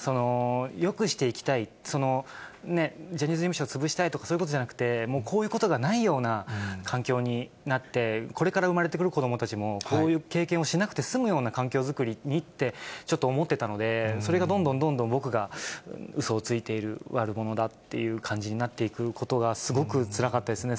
よくしていきたい、ジャニーズ事務所を潰したいとか、そういうことじゃなくて、もうこういうことがないような環境になって、これから生まれてくる子どもたちも、こういう経験をしなくて済むような環境作りにって、ちょっと思ってたので、それがどんどんどんどん、僕がうそをついている、悪者だっていう感じになっていくことが、すごくつらかったですね。